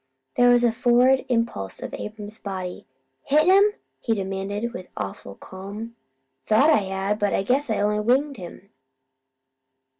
There was a forward impulse of Abram's body. "Hit 'im?" he demanded with awful calm. "Thought I had, but I guess I only winged him."